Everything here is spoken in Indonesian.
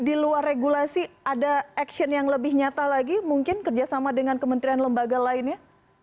di luar regulasi ada action yang lebih nyata lagi mungkin kerjasama dengan kementerian lembaga lainnya